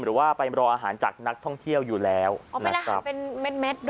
หรือว่าไปรออาหารจากนักท่องเที่ยวอยู่แล้วอ๋อเป็นอาหารเป็นเม็ดนะ